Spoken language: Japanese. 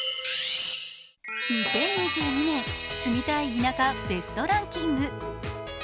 ２０２２年住みたい田舎ベストランキング。